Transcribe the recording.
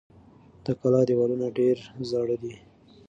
د کلا دېوالونه ډېر زاړه دي.